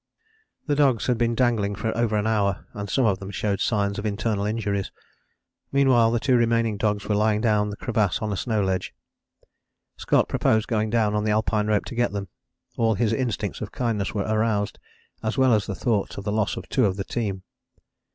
" The dogs had been dangling for over an hour, and some of them showed signs of internal injuries. Meanwhile the two remaining dogs were lying down the crevasse on a snow ledge. Scott proposed going down on the Alpine rope to get them; all his instincts of kindness were aroused, as well as the thought of the loss of two of the team.